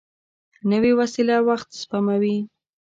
نوې وسېله وخت سپموي